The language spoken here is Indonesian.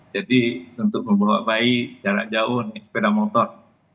jadi untuk membawa bayi jarak jauh nih sepeda motor